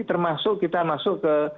termasuk kita masuk ke